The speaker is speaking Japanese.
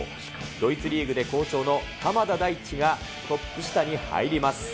ドイツリーグで好調の鎌田大地がトップ下に入ります。